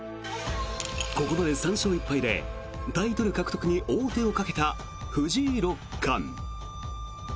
ここまで３勝１敗でタイトル獲得に王手をかけた藤井六冠。